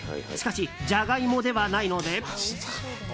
しかしジャガイモではないので。